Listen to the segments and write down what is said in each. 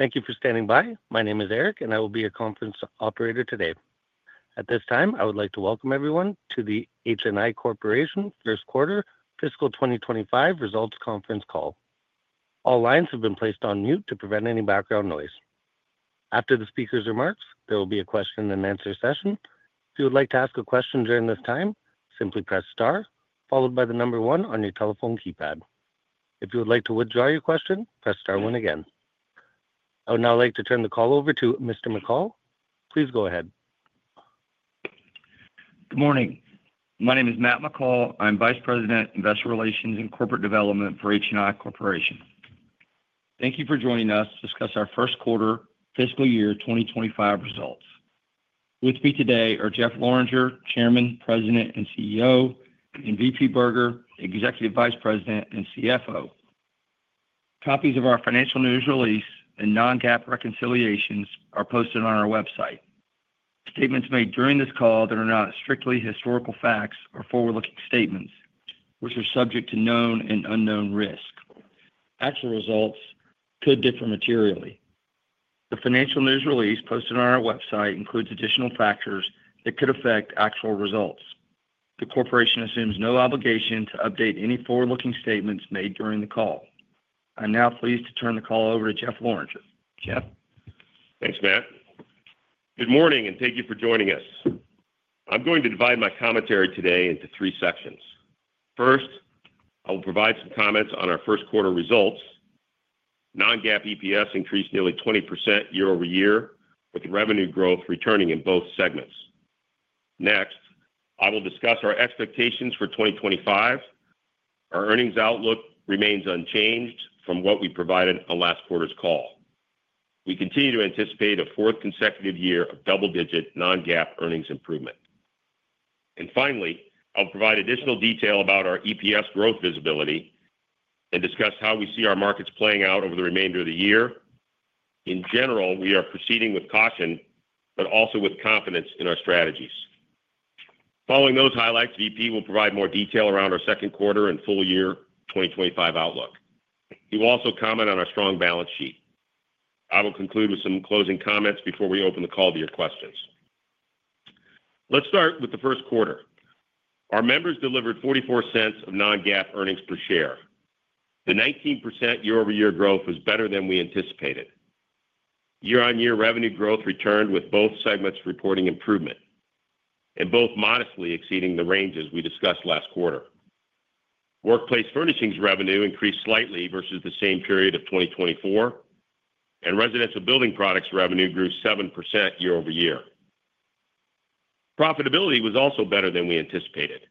Thank you for standing by. My name is Eric, and I will be your conference operator today. At this time, I would like to welcome everyone to the HNI Corporation First Quarter Fiscal 2025 Results Conference Call. All lines have been placed on mute to prevent any background noise. After the speaker's remarks, there will be a question-and-answer session. If you would like to ask a question during this time, simply press star, followed by the number one on your telephone keypad. If you would like to withdraw your question, press star one again. I would now like to turn the call over to Mr. McCall. Please go ahead. Good morning. My name is Matt McCall. I'm Vice President, Investor Relations and Corporate Development for HNI Corporation. Thank you for joining us to discuss our First Quarter Fiscal Year 2025 results. With me today are Jeff Lorenger, Chairman, President, and CEO, and VP Berger, Executive Vice President and CFO. Copies of our financial news release and non-GAAP reconciliations are posted on our website. Statements made during this call that are not strictly historical facts are forward-looking statements, which are subject to known and unknown risk. Actual results could differ materially. The financial news release posted on our website includes additional factors that could affect actual results. The corporation assumes no obligation to update any forward-looking statements made during the call. I'm now pleased to turn the call over to Jeff Lorenger. Jeff? Thanks, Matt. Good morning, and thank you for joining us. I'm going to divide my commentary today into three sections. First, I will provide some comments on our first quarter results. Non-GAAP EPS increased nearly 20% year-over-year, with revenue growth returning in both segments. Next, I will discuss our expectations for 2025. Our earnings outlook remains unchanged from what we provided on last quarter's call. We continue to anticipate a fourth consecutive year of double-digit non-GAAP earnings improvement. Finally, I'll provide additional detail about our EPS growth visibility and discuss how we see our markets playing out over the remainder of the year. In general, we are proceeding with caution, but also with confidence in our strategies. Following those highlights, VP will provide more detail around our second quarter and full-year 2025 outlook. He will also comment on our strong balance sheet. I will conclude with some closing comments before we open the call to your questions. Let's start with the First Quarter. Our members delivered $0.44 of non-GAAP earnings per share. The 19% year-over-year growth was better than we anticipated. Year-on-year revenue growth returned, with both segments reporting improvement and both modestly exceeding the ranges we discussed last quarter. Workplace furnishings revenue increased slightly versus the same period of 2024, and residential building products revenue grew 7% year-over-year. Profitability was also better than we anticipated.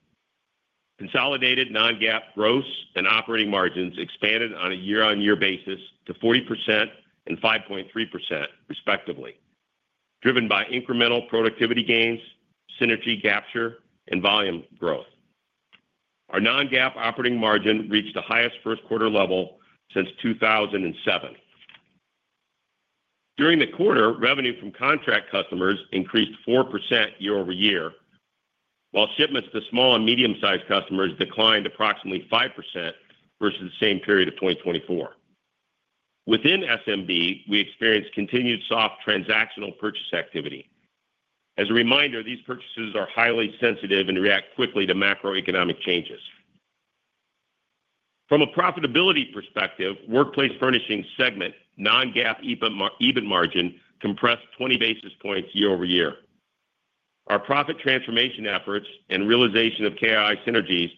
Consolidated non-GAAP growths and operating margins expanded on a year-on-year basis to 40% and 5.3%, respectively, driven by incremental productivity gains, synergy capture, and volume growth. Our non-GAAP operating margin reached the highest first-quarter level since 2007. During the quarter, revenue from contract customers increased 4% year-over-year, while shipments to small and medium-sized customers declined approximately 5% versus the same period of 2024. Within SMB, we experienced continued soft transactional purchase activity. As a reminder, these purchases are highly sensitive and react quickly to macroeconomic changes. From a profitability perspective, workplace furnishings segment non-GAAP EBIT margin compressed 20 basis points year-over-year. Our profit transformation efforts and realization of KII synergies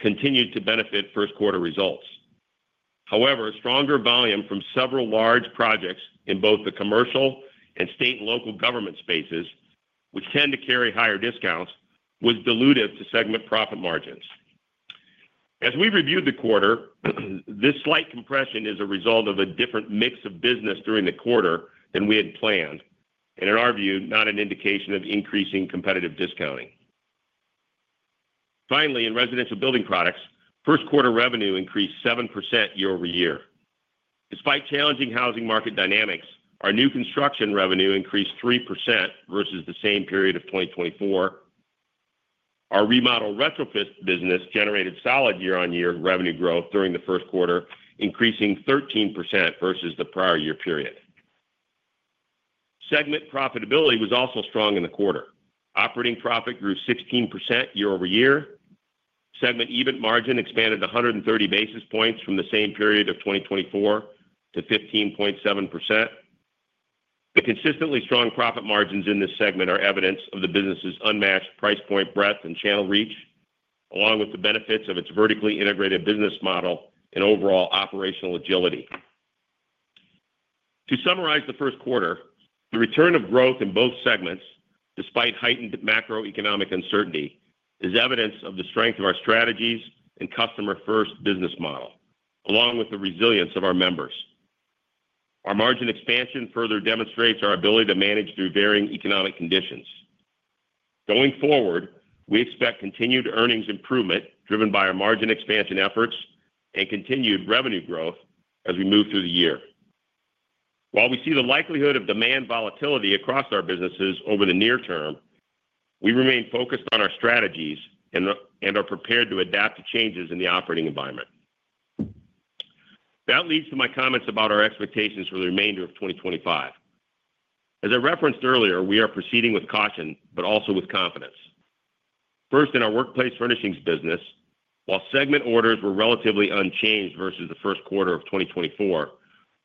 continued to benefit first-quarter results. However, stronger volume from several large projects in both the commercial and state and local government spaces, which tend to carry higher discounts, was dilutive to segment profit margins. As we reviewed the quarter, this slight compression is a result of a different mix of business during the quarter than we had planned, and in our view, not an indication of increasing competitive discounting. Finally, in residential building products, first-quarter revenue increased 7% year-over-year. Despite challenging housing market dynamics, our new construction revenue increased 3% versus the same period of 2024. Our remodel retrofit business generated solid year-on-year revenue growth during the first quarter, increasing 13% versus the prior year period. Segment profitability was also strong in the quarter. Operating profit grew 16% year-over-year. Segment EBIT margin expanded 130 basis points from the same period of 2024 to 15.7%. The consistently strong profit margins in this segment are evidence of the business's unmatched price point breadth and channel reach, along with the benefits of its vertically integrated business model and overall operational agility. To summarize the first quarter, the return of growth in both segments, despite heightened macroeconomic uncertainty, is evidence of the strength of our strategies and customer-first business model, along with the resilience of our members. Our margin expansion further demonstrates our ability to manage through varying economic conditions. Going forward, we expect continued earnings improvement driven by our margin expansion efforts and continued revenue growth as we move through the year. While we see the likelihood of demand volatility across our businesses over the near term, we remain focused on our strategies and are prepared to adapt to changes in the operating environment. That leads to my comments about our expectations for the remainder of 2025. As I referenced earlier, we are proceeding with caution, but also with confidence. First, in our workplace furnishings business, while segment orders were relatively unchanged versus the first quarter of 2024,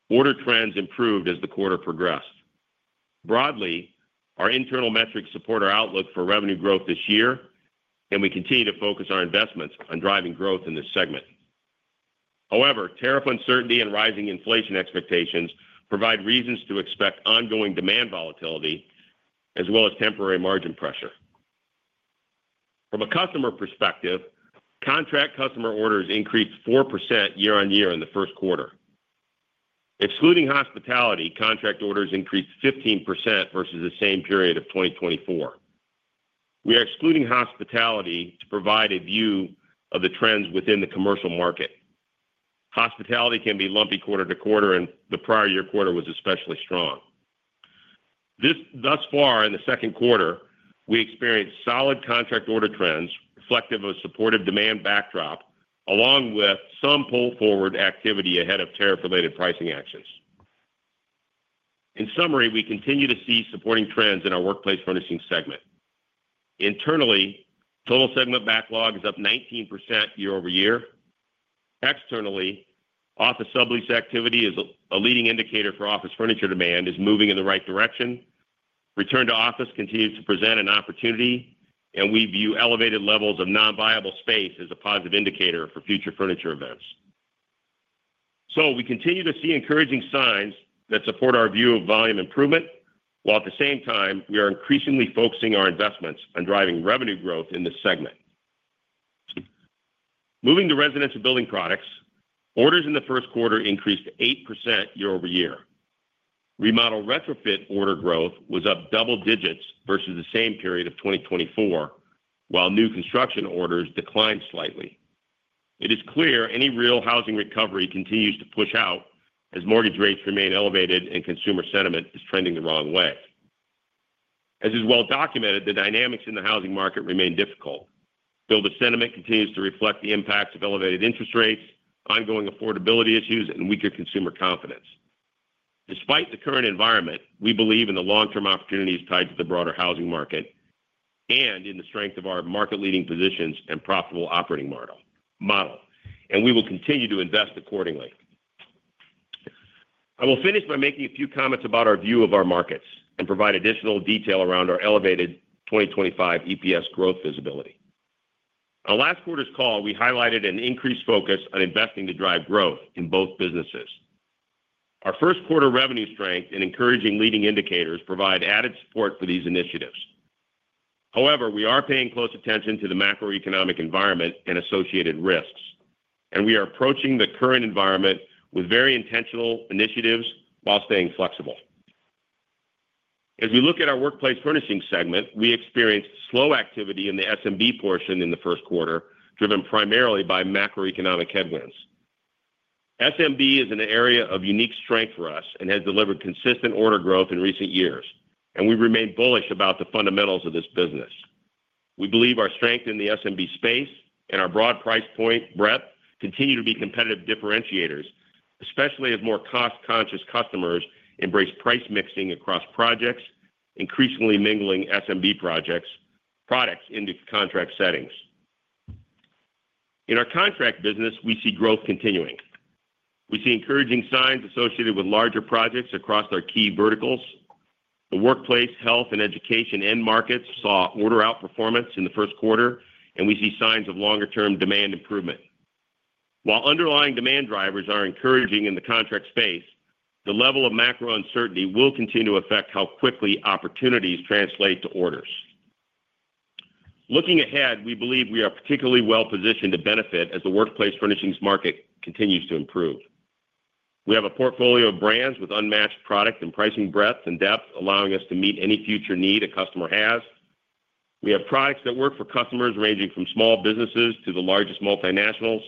order trends improved as the quarter progressed. Broadly, our internal metrics support our outlook for revenue growth this year, and we continue to focus our investments on driving growth in this segment. However, tariff uncertainty and rising inflation expectations provide reasons to expect ongoing demand volatility, as well as temporary margin pressure. From a customer perspective, contract customer orders increased 4% year-on-year in the first quarter. Excluding hospitality, contract orders increased 15% versus the same period of 2024. We are excluding hospitality to provide a view of the trends within the commercial market. Hospitality can be lumpy quarter to quarter, and the prior year quarter was especially strong. Thus far, in the second quarter, we experienced solid contract order trends reflective of supportive demand backdrop, along with some pull-forward activity ahead of tariff-related pricing actions. In summary, we continue to see supporting trends in our workplace furnishings segment. Internally, total segment backlog is up 19% year-over-year. Externally, office sublease activity as a leading indicator for office furniture demand is moving in the right direction. Return to office continues to present an opportunity, and we view elevated levels of non-viable space as a positive indicator for future furniture events. We continue to see encouraging signs that support our view of volume improvement, while at the same time, we are increasingly focusing our investments on driving revenue growth in this segment. Moving to residential building products, orders in the first quarter increased 8% year-over-year. Remodel retrofit order growth was up double digits versus the same period of 2024, while new construction orders declined slightly. It is clear any real housing recovery continues to push out as mortgage rates remain elevated and consumer sentiment is trending the wrong way. As is well documented, the dynamics in the housing market remain difficult. Building sentiment continues to reflect the impacts of elevated interest rates, ongoing affordability issues, and weaker consumer confidence. Despite the current environment, we believe in the long-term opportunities tied to the broader housing market and in the strength of our market-leading positions and profitable operating model, and we will continue to invest accordingly. I will finish by making a few comments about our view of our markets and provide additional detail around our elevated 2025 EPS growth visibility. On last quarter's call, we highlighted an increased focus on investing to drive growth in both businesses. Our first quarter revenue strength and encouraging leading indicators provide added support for these initiatives. However, we are paying close attention to the macroeconomic environment and associated risks, and we are approaching the current environment with very intentional initiatives while staying flexible. As we look at our workplace furnishings segment, we experienced slow activity in the SMB portion in the first quarter, driven primarily by macroeconomic headwinds. SMB is an area of unique strength for us and has delivered consistent order growth in recent years, and we remain bullish about the fundamentals of this business. We believe our strength in the SMB space and our broad price point breadth continue to be competitive differentiators, especially as more cost-conscious customers embrace price mixing across projects, increasingly mingling SMB products into contract settings. In our contract business, we see growth continuing. We see encouraging signs associated with larger projects across our key verticals. The workplace, health, and education end markets saw order outperformance in the first quarter, and we see signs of longer-term demand improvement. While underlying demand drivers are encouraging in the contract space, the level of macro uncertainty will continue to affect how quickly opportunities translate to orders. Looking ahead, we believe we are particularly well-positioned to benefit as the workplace furnishings market continues to improve. We have a portfolio of brands with unmatched product and pricing breadth and depth, allowing us to meet any future need a customer has. We have products that work for customers ranging from small businesses to the largest multinationals.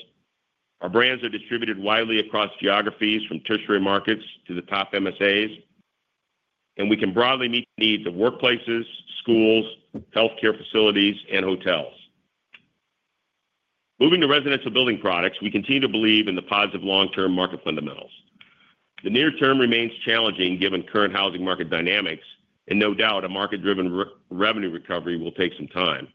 Our brands are distributed widely across geographies, from tertiary markets to the top MSAs, and we can broadly meet the needs of workplaces, schools, healthcare facilities, and hotels. Moving to residential building products, we continue to believe in the positive long-term market fundamentals. The near term remains challenging given current housing market dynamics, and no doubt a market-driven revenue recovery will take some time.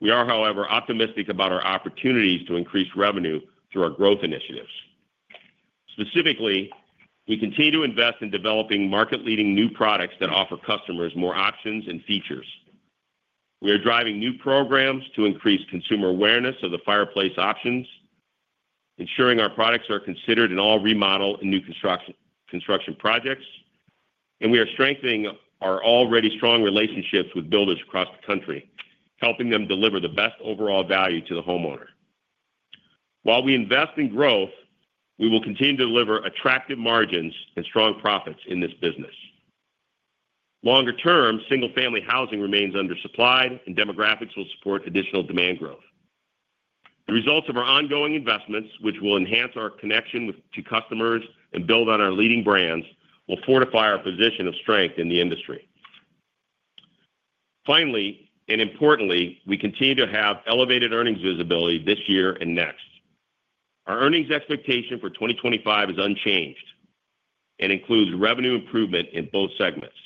We are, however, optimistic about our opportunities to increase revenue through our growth initiatives. Specifically, we continue to invest in developing market-leading new products that offer customers more options and features. We are driving new programs to increase consumer awareness of the fireplace options, ensuring our products are considered in all remodel and new construction projects, and we are strengthening our already strong relationships with builders across the country, helping them deliver the best overall value to the homeowner. While we invest in growth, we will continue to deliver attractive margins and strong profits in this business. Longer-term, single-family housing remains undersupplied, and demographics will support additional demand growth. The results of our ongoing investments, which will enhance our connection to customers and build on our leading brands, will fortify our position of strength in the industry. Finally, and importantly, we continue to have elevated earnings visibility this year and next. Our earnings expectation for 2025 is unchanged and includes revenue improvement in both segments.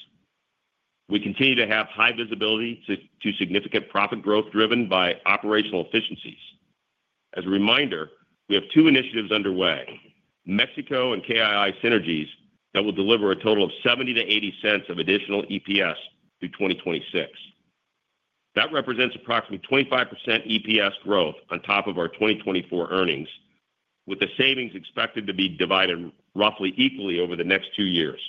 We continue to have high visibility to significant profit growth driven by operational efficiencies. As a reminder, we have two initiatives underway, Mexico and KII synergies, that will deliver a total of $0.70-$0.80 of additional EPS through 2026. That represents approximately 25% EPS growth on top of our 2024 earnings, with the savings expected to be divided roughly equally over the next two years.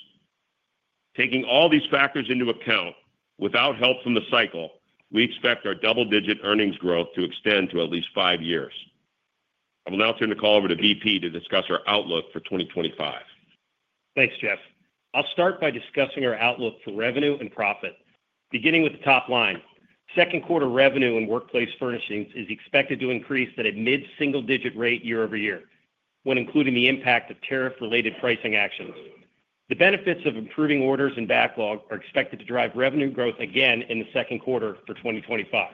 Taking all these factors into account, without help from the cycle, we expect our double-digit earnings growth to extend to at least five years. I will now turn the call over to VP to discuss our outlook for 2025. Thanks, Jeff. I'll start by discussing our outlook for revenue and profit, beginning with the top line. Second quarter revenue in workplace furnishings is expected to increase at a mid-single-digit rate year-over-year, when including the impact of tariff-related pricing actions. The benefits of improving orders and backlog are expected to drive revenue growth again in the second quarter for 2025.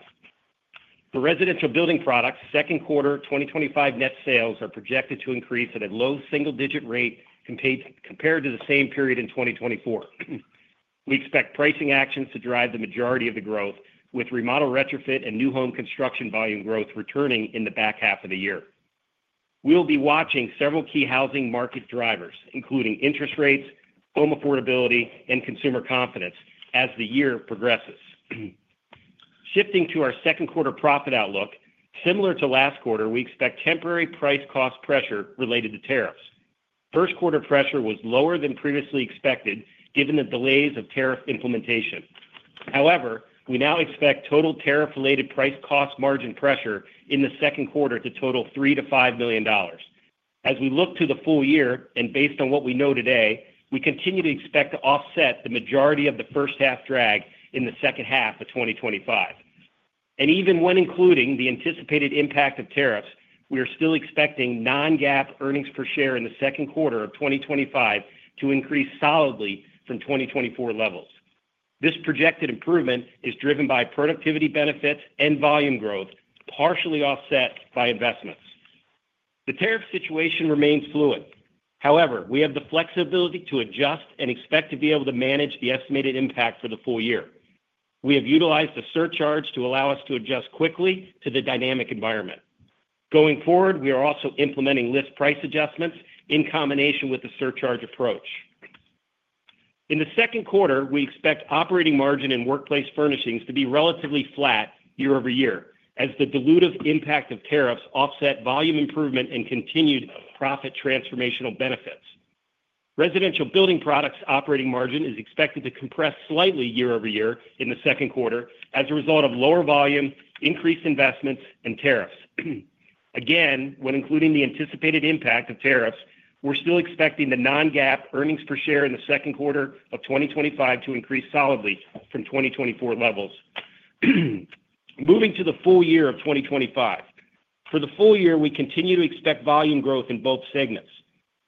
For residential building products, second quarter 2025 net sales are projected to increase at a low single-digit rate compared to the same period in 2024. We expect pricing actions to drive the majority of the growth, with remodel retrofit and new home construction volume growth returning in the back half of the year. We will be watching several key housing market drivers, including interest rates, home affordability, and consumer confidence, as the year progresses. Shifting to our second quarter profit outlook, similar to last quarter, we expect temporary price cost pressure related to tariffs. First quarter pressure was lower than previously expected, given the delays of tariff implementation. However, we now expect total tariff-related price cost margin pressure in the second quarter to total $3 million-$5 million. As we look to the full year and based on what we know today, we continue to expect to offset the majority of the first-half drag in the second half of 2025. Even when including the anticipated impact of tariffs, we are still expecting non-GAAP earnings per share in the second quarter of 2025 to increase solidly from 2024 levels. This projected improvement is driven by productivity benefits and volume growth, partially offset by investments. The tariff situation remains fluid. However, we have the flexibility to adjust and expect to be able to manage the estimated impact for the full year. We have utilized the surcharge to allow us to adjust quickly to the dynamic environment. Going forward, we are also implementing list price adjustments in combination with the surcharge approach. In the second quarter, we expect operating margin in workplace furnishings to be relatively flat year-over-year, as the dilutive impact of tariffs offsets volume improvement and continued profit transformational benefits. Residential building products' operating margin is expected to compress slightly year-over-year in the second quarter as a result of lower volume, increased investments, and tariffs. Again, when including the anticipated impact of tariffs, we're still expecting the non-GAAP earnings per share in the second quarter of 2025 to increase solidly from 2024 levels. Moving to the full year of 2025. For the full year, we continue to expect volume growth in both segments.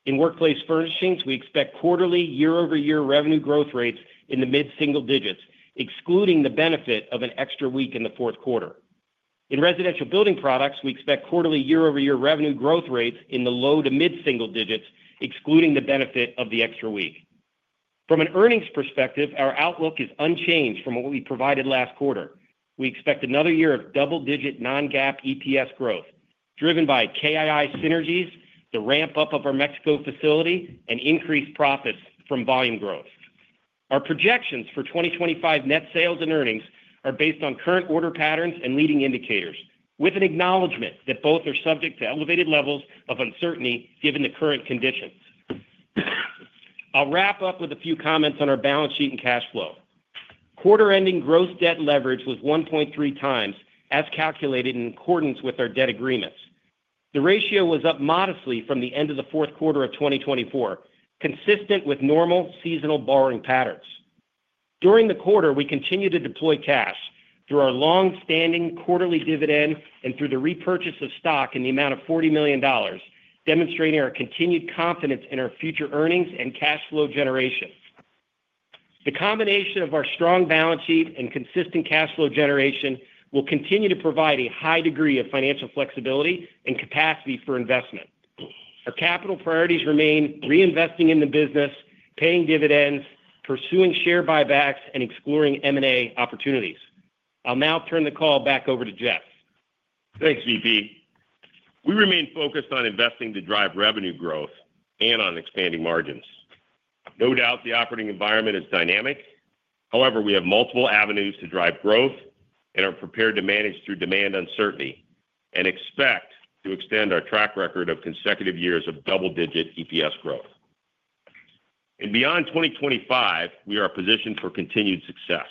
In workplace furnishings, we expect quarterly year-over-year revenue growth rates in the mid-single digits, excluding the benefit of an extra week in the fourth quarter. In residential building products, we expect quarterly year-over-year revenue growth rates in the low to mid-single digits, excluding the benefit of the extra week. From an earnings perspective, our outlook is unchanged from what we provided last quarter. We expect another year of double-digit non-GAAP EPS growth, driven by KII synergies, the ramp-up of our Mexico facility, and increased profits from volume growth. Our projections for 2025 net sales and earnings are based on current order patterns and leading indicators, with an acknowledgment that both are subject to elevated levels of uncertainty given the current conditions. I'll wrap up with a few comments on our balance sheet and cash flow. Quarter-ending gross debt leverage was 1.3 times, as calculated in accordance with our debt agreements. The ratio was up modestly from the end of the fourth quarter of 2024, consistent with normal seasonal borrowing patterns. During the quarter, we continue to deploy cash through our long-standing quarterly dividend and through the repurchase of stock in the amount of $40 million, demonstrating our continued confidence in our future earnings and cash flow generation. The combination of our strong balance sheet and consistent cash flow generation will continue to provide a high degree of financial flexibility and capacity for investment. Our capital priorities remain reinvesting in the business, paying dividends, pursuing share buybacks, and exploring M&A opportunities. I'll now turn the call back over to Jeff. Thanks, VP. We remain focused on investing to drive revenue growth and on expanding margins. No doubt the operating environment is dynamic. However, we have multiple avenues to drive growth and are prepared to manage through demand uncertainty and expect to extend our track record of consecutive years of double-digit EPS growth. Beyond 2025, we are positioned for continued success.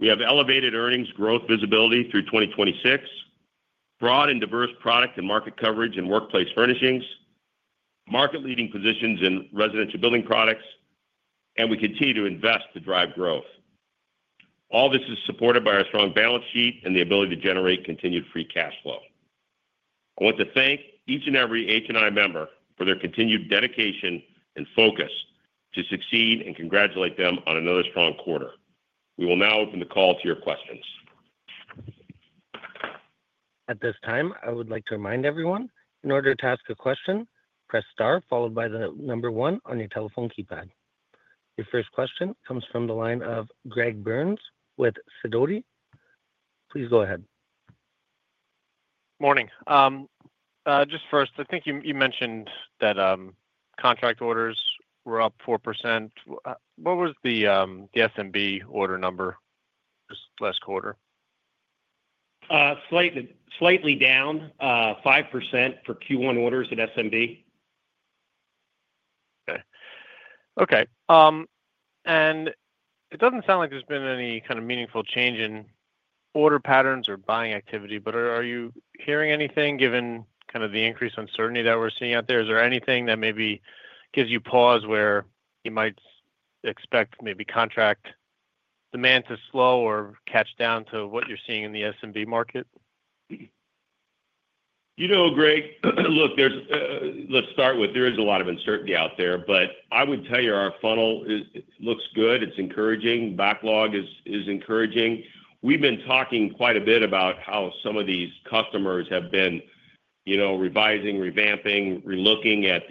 We have elevated earnings growth visibility through 2026, broad and diverse product and market coverage in workplace furnishings, market-leading positions in residential building products, and we continue to invest to drive growth. All this is supported by our strong balance sheet and the ability to generate continued free cash flow. I want to thank each and every HNI member for their continued dedication and focus to succeed and congratulate them on another strong quarter. We will now open the call to your questions. At this time, I would like to remind everyone, in order to ask a question, press star followed by the number one on your telephone keypad. Your first question comes from the line of Greg Burns with SIDOTI. Please go ahead. Morning. Just first, I think you mentioned that contract orders were up 4%. What was the SMB order number this last quarter? Slightly down, 5% for Q1 orders at SMB. Okay. Okay. It doesn't sound like there's been any kind of meaningful change in order patterns or buying activity, but are you hearing anything given kind of the increased uncertainty that we're seeing out there? Is there anything that maybe gives you pause where you might expect maybe contract demand to slow or catch down to what you're seeing in the SMB market? You know, Greg, look, let's start with there is a lot of uncertainty out there, but I would tell you our funnel looks good. It's encouraging. Backlog is encouraging. We've been talking quite a bit about how some of these customers have been revising, revamping, relooking at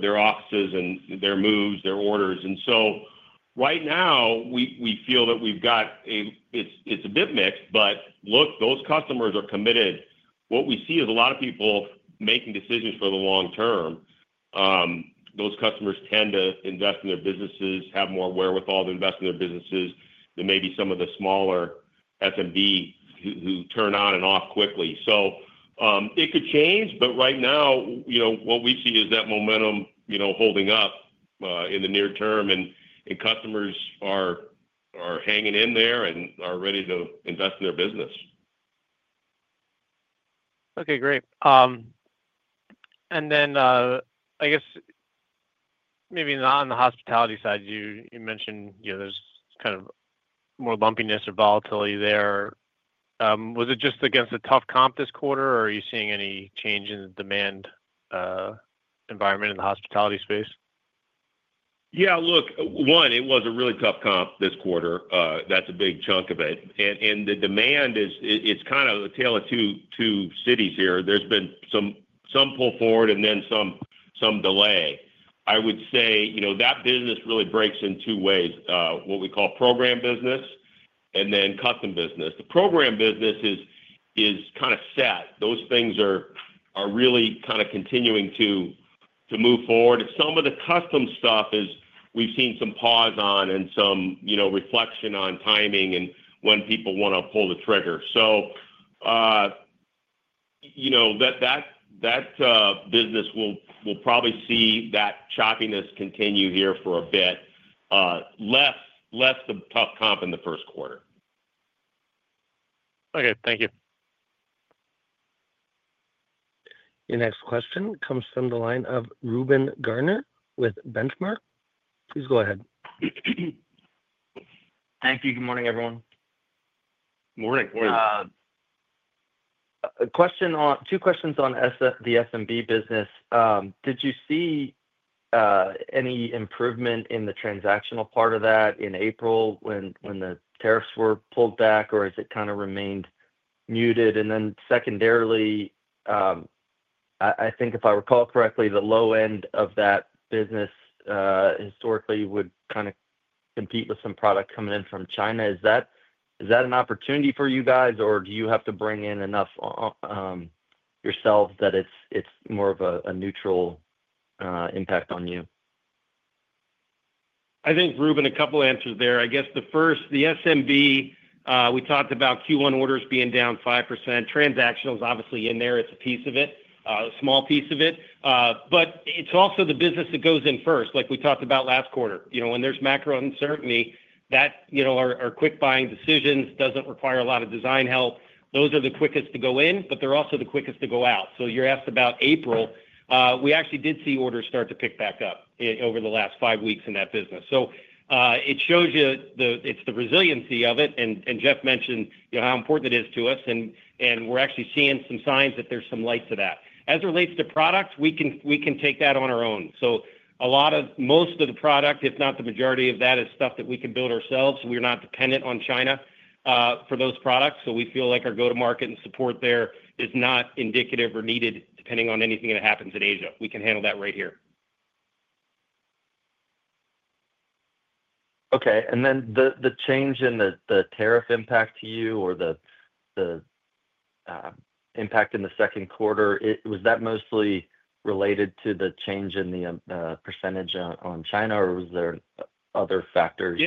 their offices and their moves, their orders. Right now, we feel that we've got a, it's a bit mixed, but look, those customers are committed. What we see is a lot of people making decisions for the long term. Those customers tend to invest in their businesses, have more wherewithal to invest in their businesses than maybe some of the smaller SMBs who turn on and off quickly. It could change, but right now, what we see is that momentum holding up in the near term, and customers are hanging in there and are ready to invest in their business. Okay, great. I guess maybe on the hospitality side, you mentioned there's kind of more lumpiness or volatility there. Was it just against a tough comp this quarter, or are you seeing any change in the demand environment in the hospitality space? Yeah, look, one, it was a really tough comp this quarter. That's a big chunk of it. And the demand, it's kind of a tale of two cities here. There's been some pull forward and then some delay. I would say that business really breaks in two ways, what we call program business and then custom business. The program business is kind of set. Those things are really kind of continuing to move forward. Some of the custom stuff is we've seen some pause on and some reflection on timing and when people want to pull the trigger. So that business will probably see that choppiness continue here for a bit, less the tough comp in the first quarter. Okay, thank you. Your next question comes from the line of Reuben Garner with Benchmark. Please go ahead. Thank you. Good morning, everyone. Morning. Two questions on the SMB business. Did you see any improvement in the transactional part of that in April when the tariffs were pulled back, or has it kind of remained muted? Secondarily, I think if I recall correctly, the low end of that business historically would kind of compete with some product coming in from China. Is that an opportunity for you guys, or do you have to bring in enough yourself that it is more of a neutral impact on you? I think, Reuben, a couple of answers there. I guess the first, the SMB, we talked about Q1 orders being down 5%. Transactional is obviously in there. It is a piece of it, a small piece of it. It is also the business that goes in first, like we talked about last quarter. When there is macro uncertainty, our quick buying decisions do not require a lot of design help. Those are the quickest to go in, but they're also the quickest to go out. You asked about April. We actually did see orders start to pick back up over the last five weeks in that business. It shows you it's the resiliency of it. Jeff mentioned how important it is to us, and we're actually seeing some signs that there's some light to that. As it relates to products, we can take that on our own. A lot of most of the product, if not the majority of that, is stuff that we can build ourselves. We're not dependent on China for those products. We feel like our go-to-market and support there is not indicative or needed depending on anything that happens in Asia. We can handle that right here. Okay. The change in the tariff impact to you or the impact in the second quarter, was that mostly related to the change in the % on China, or were there other factors,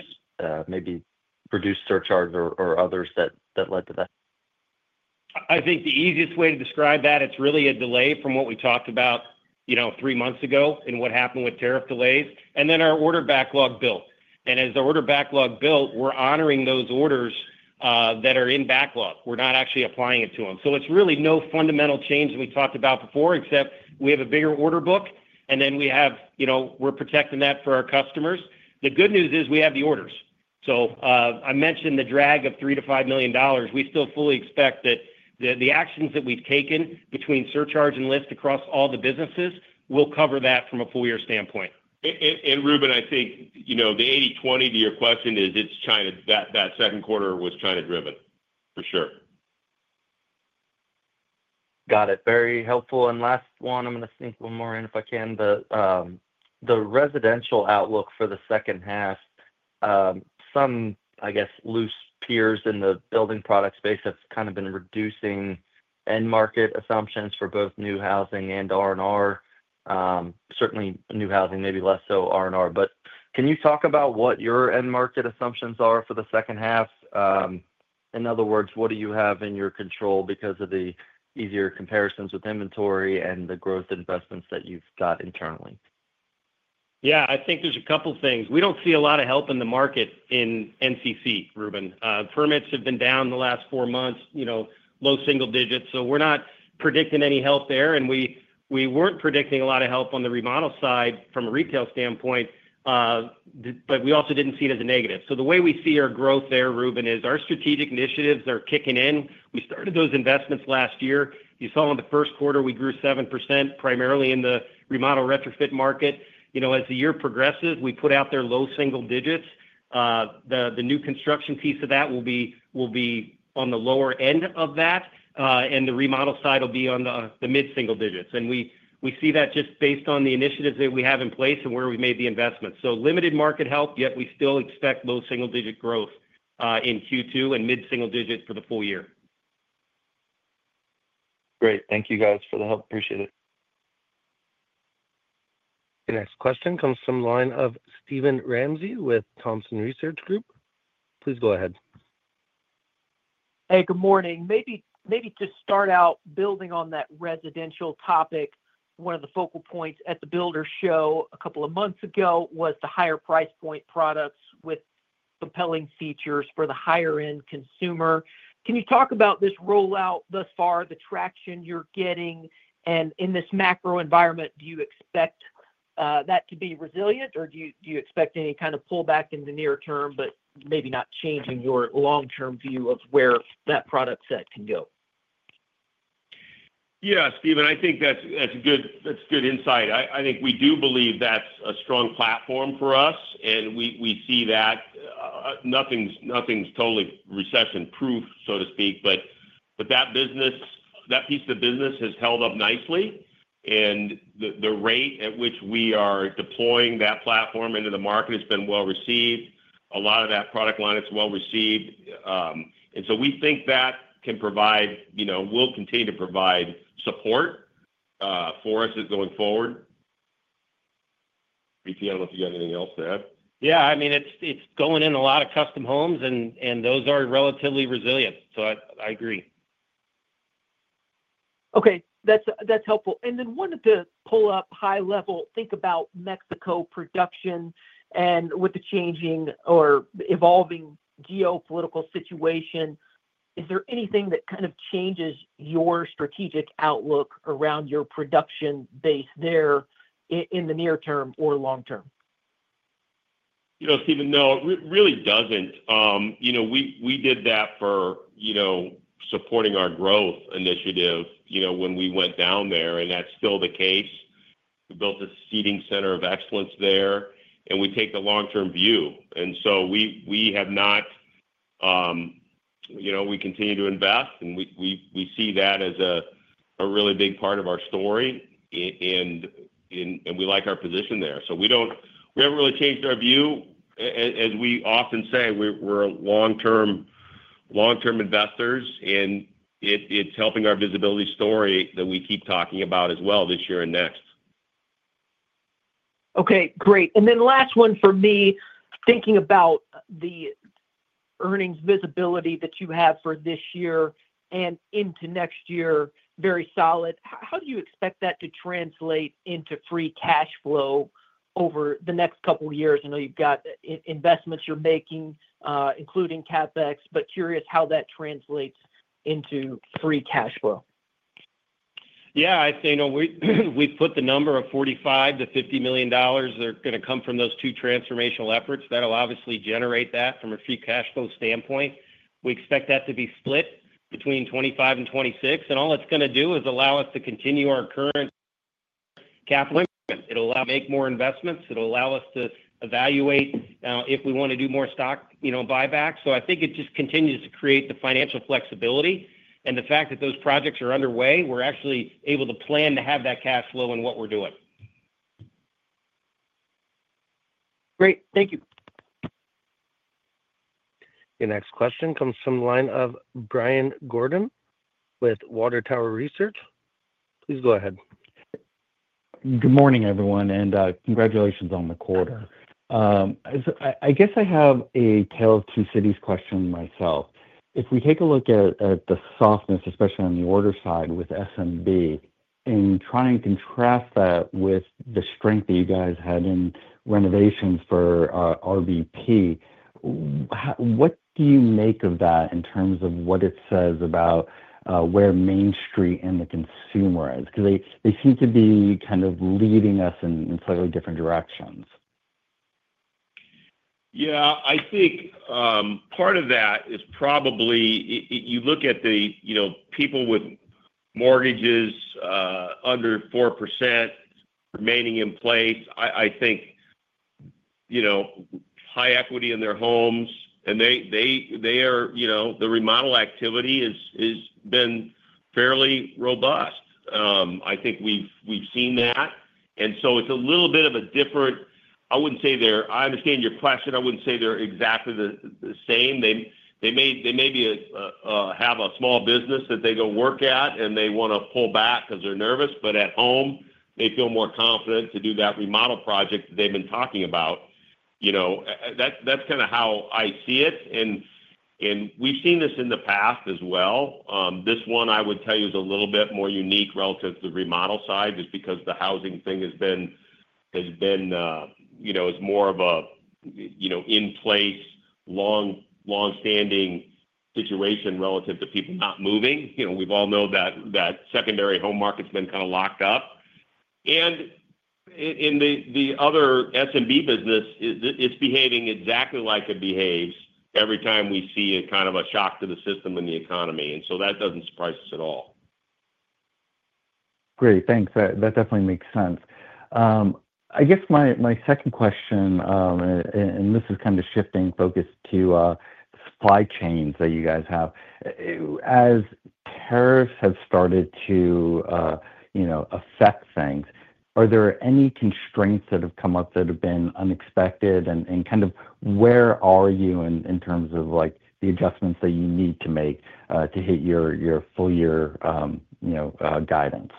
maybe product surcharge or others that led to that? I think the easiest way to describe that, it's really a delay from what we talked about three months ago and what happened with tariff delays. Our order backlog built. As the order backlog built, we're honoring those orders that are in backlog. We're not actually applying it to them. It's really no fundamental change we talked about before, except we have a bigger order book, and we're protecting that for our customers. The good news is we have the orders. I mentioned the drag of $3 million-$5 million. We still fully expect that the actions that we've taken between surcharge and list across all the businesses will cover that from a full year standpoint. Reuben, I think the 80/20 to your question is it's China. That second quarter was China-driven, for sure. Got it. Very helpful. Last one, I'm going to sneak one more in if I can. The residential outlook for the second half, some, I guess, loose peers in the building product space have kind of been reducing end market assumptions for both new housing and R&R. Certainly new housing, maybe less so R&R. Can you talk about what your end market assumptions are for the second half? In other words, what do you have in your control because of the easier comparisons with inventory and the growth investments that you've got internally? I think there's a couple of things. We do not see a lot of help in the market in NCC, Reuben. Permits have been down the last four months, low single digits. We are not predicting any help there. We were not predicting a lot of help on the remodel side from a retail standpoint, but we also did not see it as a negative. The way we see our growth there, Reuben, is our strategic initiatives are kicking in. We started those investments last year. You saw in the first quarter, we grew 7% primarily in the remodel retrofit market. As the year progresses, we put out there low single digits. The new construction piece of that will be on the lower end of that, and the remodel side will be on the mid-single digits. We see that just based on the initiatives that we have in place and where we have made the investments. Limited market help, yet we still expect low single-digit growth in Q2 and mid-single digit for the full year. Great. Thank you, guys, for the help. Appreciate it. Your next question comes from the line of Steven Ramsey with Thompson Research Group. Please go ahead. Hey, good morning. Maybe to start out, building on that residential topic, one of the focal points at the Builder Show a couple of months ago was the higher price point products with compelling features for the higher-end consumer. Can you talk about this rollout thus far, the traction you're getting, and in this macro environment, do you expect that to be resilient, or do you expect any kind of pullback in the near term, but maybe not changing your long-term view of where that product set can go? Yeah, Steven, I think that's good insight. I think we do believe that's a strong platform for us, and we see that nothing's totally recession-proof, so to speak. That piece of business has held up nicely, and the rate at which we are deploying that platform into the market has been well received. A lot of that product line is well received. We think that can provide, will continue to provide, support for us going forward. VP, I don't know if you got anything else to add. Yeah, I mean, it's going in a lot of custom homes, and those are relatively resilient. I agree. Okay. That's helpful. One to pull up high level, think about Mexico production and with the changing or evolving geopolitical situation, is there anything that kind of changes your strategic outlook around your production base there in the near term or long term? You know, Steven, no, it really doesn't. We did that for supporting our growth initiative when we went down there, and that's still the case. We built a seating center of excellence there, and we take the long-term view. We continue to invest, and we see that as a really big part of our story, and we like our position there. We haven't really changed our view. As we often say, we're long-term investors, and it's helping our visibility story that we keep talking about as well this year and next. Okay, great. Last one for me, thinking about the earnings visibility that you have for this year and into next year, very solid. How do you expect that to translate into free cash flow over the next couple of years? I know you've got investments you're making, including CapEx, but curious how that translates into free cash flow. Yeah, I'd say we've put the number of $45 million-$50 million that are going to come from those two transformational efforts. That'll obviously generate that from a free cash flow standpoint. We expect that to be split between 2025 and 2026. All it's going to do is allow us to continue our current capital investment. It'll allow us to make more investments. It'll allow us to evaluate if we want to do more stock buybacks. I think it just continues to create the financial flexibility. The fact that those projects are underway, we're actually able to plan to have that cash flow in what we're doing. Great. Thank you. Your next question comes from the line of Brian Gordon with Water Tower Research. Please go ahead. Good morning, everyone, and congratulations on the quarter. I guess I have a Tale of Two Cities question myself. If we take a look at the softness, especially on the order side with SMB, and try and contrast that with the strength that you guys had in renovations for RBP, what do you make of that in terms of what it says about where Main Street and the consumer is? Because they seem to be kind of leading us in slightly different directions. Yeah, I think part of that is probably you look at the people with mortgages under 4% remaining in place. I think high equity in their homes, and they are the remodel activity has been fairly robust. I think we've seen that. And so it's a little bit of a different I wouldn't say they're I understand your question. I wouldn't say they're exactly the same. They may have a small business that they go work at, and they want to pull back because they're nervous. At home, they feel more confident to do that remodel project that they've been talking about. That's kind of how I see it. We've seen this in the past as well. This one, I would tell you, is a little bit more unique relative to the remodel side just because the housing thing has been is more of an in-place, long-standing situation relative to people not moving. We've all known that secondary home market's been kind of locked up. In the other SMB business, it's behaving exactly like it behaves every time we see kind of a shock to the system and the economy. That doesn't surprise us at all. Great. Thanks. That definitely makes sense. I guess my second question, and this is kind of shifting focus to supply chains that you guys have. As tariffs have started to affect things, are there any constraints that have come up that have been unexpected? Kind of where are you in terms of the adjustments that you need to make to hit your full year guidance?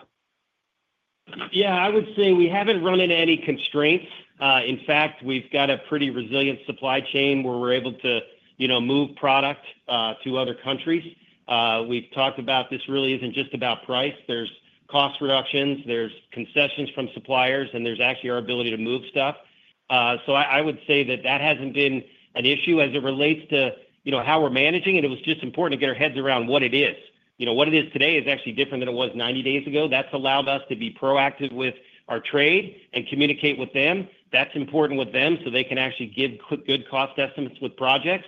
Yeah, I would say we haven't run into any constraints. In fact, we've got a pretty resilient supply chain where we're able to move product to other countries. We've talked about this really isn't just about price. There's cost reductions, there's concessions from suppliers, and there's actually our ability to move stuff. I would say that that hasn't been an issue as it relates to how we're managing it. It was just important to get our heads around what it is. What it is today is actually different than it was 90 days ago. That has allowed us to be proactive with our trade and communicate with them. That is important with them so they can actually give good cost estimates with projects.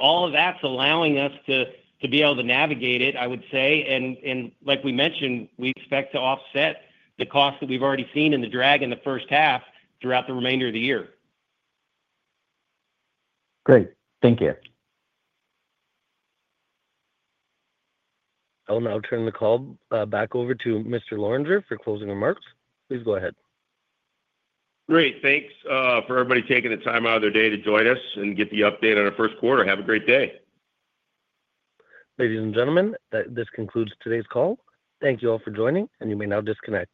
All of that is allowing us to be able to navigate it, I would say. Like we mentioned, we expect to offset the cost that we have already seen in the drag in the first half throughout the remainder of the year. Great. Thank you. I will now turn the call back over to Mr. Lorenger for closing remarks. Please go ahead. Great. Thanks for everybody taking the time out of their day to join us and get the update on our first quarter. Have a great day. Ladies and gentlemen, this concludes today's call. Thank you all for joining, and you may now disconnect.